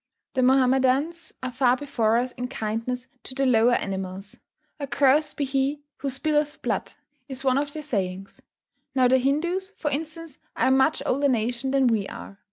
The Mohammedans are far before us in kindness to the lower animals. "Accursed be he who spilleth blood," is one of their sayings. Now, the Hindoos, for instance, are a much older nation than we are.